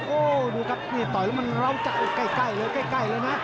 โอ้วดูครับต่อยมันร้าวจักรใกล้เลยนะ